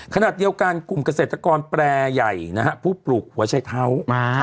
ขณะเดียวกันกลุ่มเกษตรกรแปรใหญ่นะฮะผู้ปลูกหัวชายเท้า